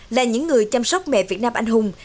là những người chăm sóc mẹ việt nam anh hùng